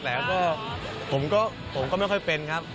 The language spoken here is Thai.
แต่ผมก็ไม่ค่อยเป็นครับ